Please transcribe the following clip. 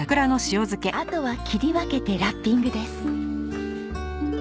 あとは切り分けてラッピングです。